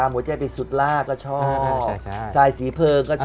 แมทโอปอล์